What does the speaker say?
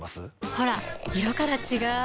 ほら色から違う！